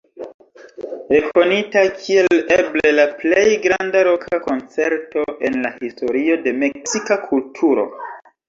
Rekonita kiel eble la plej granda roka koncerto en la historio de meksika kulturo.